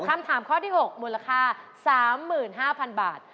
คำถามข้อที่๖มูลค่า๓๕๐๐๐บาท